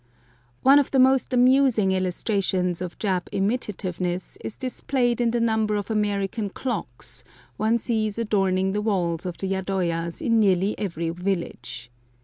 One of the most amusing illustrations of Jap imitativeness is displayed in the number of American clocks one sees adorning the walls of the yadoyas in nearly every village.